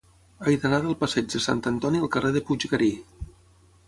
He d'anar del passeig de Sant Antoni al carrer de Puiggarí.